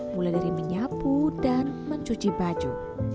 mulai dari menyapu dan mencuci baju